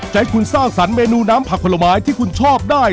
ให้คุณสร้างสรรคเมนูน้ำผักผลไม้ที่คุณชอบได้